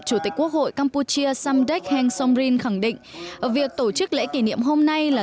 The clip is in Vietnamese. chủ tịch quốc hội campuchia samdek heng somrin khẳng định việc tổ chức lễ kỷ niệm hôm nay là